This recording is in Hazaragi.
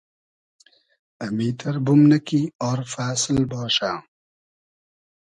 امیتئر بومنۂ کی آر فئسل باشہ